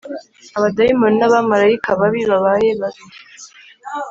Abadayimoni ni abamarayika babi Babaye babi